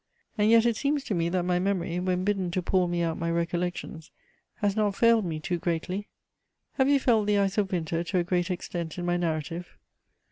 And yet it seems to me that my memory, when bidden to pour me out my recollections, has not failed me too greatly. Have you felt the ice of winter to a great extent in my narrative?